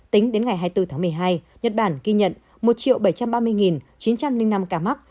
tính đến ngày hai mươi bốn tháng một mươi hai nhật bản ghi nhận một bảy trăm ba mươi chín trăm linh năm ca mắc